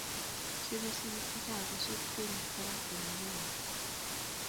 Syebe sikikbatai ak kosut kelyek parak yoon oo maat.